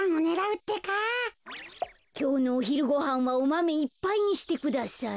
きょうのおひるごはんはおマメいっぱいにしてください。